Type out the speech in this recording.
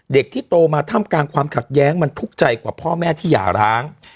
เด็กที่โตมาท่ามกลางความขัดแย้งมันทุกข์ใจกว่าพ่อแม่ที่หย่าร้าง